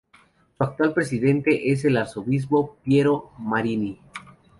Su actual presidente es el Arzobispo Piero Marini.